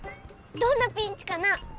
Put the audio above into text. どんなピンチかな？